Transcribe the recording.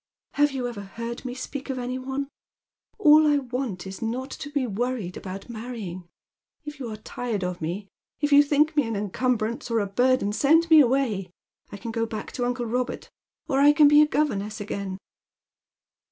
" Have you ever heard me speak of any one ? All I want is not to be worried about raaiTj ing. If you arc tired of me, if you think me an encumbrance, or a burden, send me away. I can go back to uncle Kobert, or I can be a governess again."